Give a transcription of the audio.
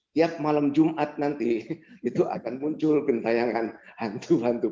tiap malam jumat nanti itu akan muncul pentayangan hantu hantu